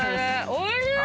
おいしい！